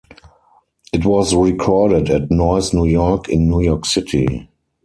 It was recorded at Noise New York in New York City.